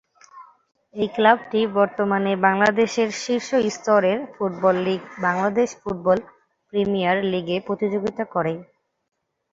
এই ক্লাবটি বর্তমানে বাংলাদেশের শীর্ষ স্তরের football league Bangladesh football premier লীগে প্রতিযোগিতা করে।